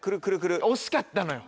惜しかったのよ。